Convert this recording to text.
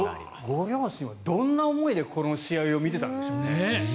ご両親、どんな思いでこの試合見てたんでしょう。